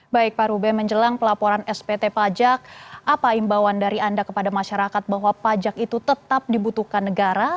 baik pak rube menjelang pelaporan spt pajak apa imbauan dari anda kepada masyarakat bahwa pajak itu tetap dibutuhkan negara